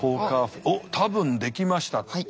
おっ「多分できました」。